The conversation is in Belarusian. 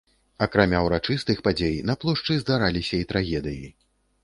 Акрамя ўрачыстых падзей, на плошчы здараліся і трагедыі.